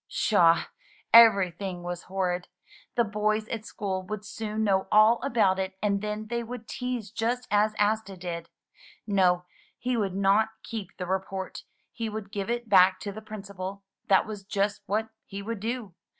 Pshaw! Everything was horrid. The boys at school would soon know all about it and then they would tease just as Asta did. No, he would not keep the report; he would give it back to the Principal; that was just what he would do.